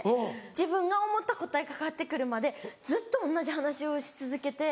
自分が思った答えが返って来るまでずっと同じ話をし続けて。